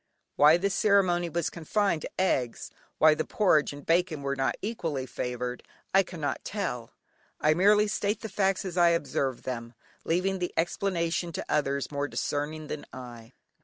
Why this ceremony was confined to eggs, why the porridge and bacon were not equally favoured I cannot tell, I merely state the facts as I observed them, leaving the explanation to others more discerning than I.